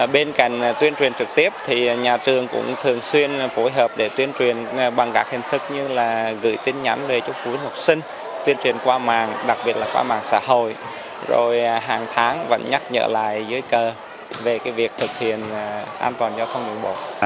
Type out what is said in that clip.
bên cạnh tuyên truyền trực tiếp thì nhà trường cũng thường xuyên phối hợp để tuyên truyền bằng các hình thức như là gửi tin nhắn về chúc quý học sinh tuyên truyền qua mạng đặc biệt là qua mạng xã hội rồi hàng tháng vẫn nhắc nhở lại dưới cờ về việc thực hiện an toàn giao thông đường bộ